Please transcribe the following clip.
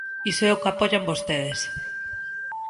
Iso é o que apoian vostedes.